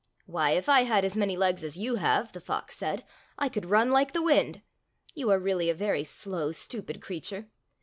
"Why, if I had as many legs as you have," the fox said, "I could run like the wind. You are really a very slow, stupid creature.